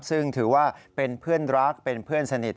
ซึ่งถือว่าเป็นเพื่อนรักเป็นเพื่อนสนิท